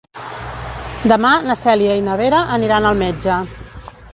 Demà na Cèlia i na Vera aniran al metge.